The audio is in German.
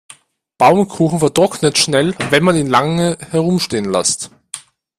Baumkuchen vertrocknet schnell, wenn man ihn lange herumstehen lässt.